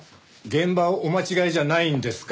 現場をお間違えじゃないんですか？